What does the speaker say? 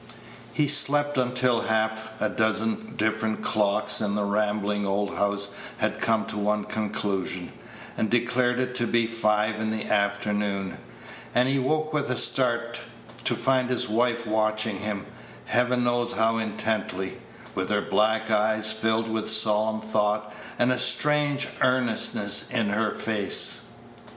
He slept until half a dozen different clocks in the rambling old house had come to one conclusion, and declared it to be five in the afternoon; and he awoke with a start, to find his wife watching him, Heaven knows how intently, with her black eyes filled with solemn thought, and a strange earnestness in her face.